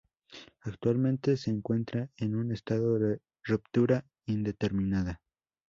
Actualmente se encuentran en un estado de ruptura indeterminada.